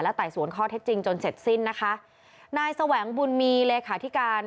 ไต่สวนข้อเท็จจริงจนเสร็จสิ้นนะคะนายแสวงบุญมีเลขาธิการ